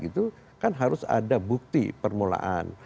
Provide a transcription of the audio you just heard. itu kan harus ada bukti permulaan